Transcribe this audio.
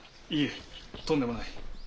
いえとんでもない。